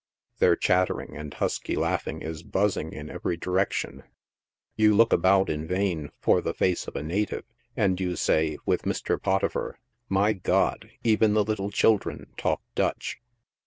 Their chattering and husky laughing is buzzing in every direction. You look about in vain for the face of a native, and you say, with Mr. Pottipher, " My God, even the little children talk Dutch."